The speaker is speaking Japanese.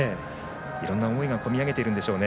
いろんな思いが込み上げているんでしょうね。